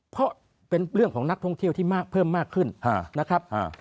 เพราะเป็นเรื่องของนักท่องเที่ยวที่มากเพิ่มมากขึ้นนะครับ